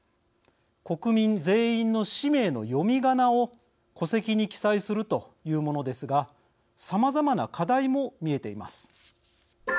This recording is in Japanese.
国民全員の氏名の読みがなを戸籍に記載するというものですがさまざまな課題も見えています。